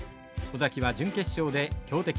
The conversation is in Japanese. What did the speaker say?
尾崎は準決勝で強敵